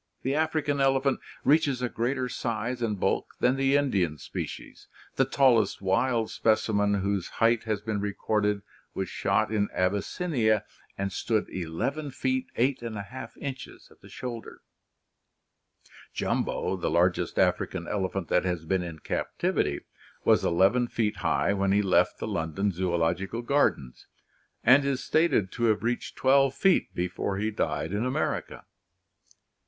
The African elephant reaches a greater size and bulk than the Indian species; the tallest wild specimen whose height has been recorded was shot in THE LIFE CYCLE 209 Abyssinia and stood 11 feet 8# inches at the shoulder; Jumbo, the largest African elephant that has been in captivity, was 11 feet high when he left the London Zoological Gardens, and is stated to have reached 12 feet before he died in America.